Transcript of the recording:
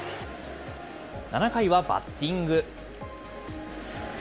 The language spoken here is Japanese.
７回はバッティング。